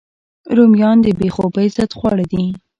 رومیان د بې خوبۍ ضد خواړه دي